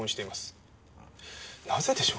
なぜでしょう？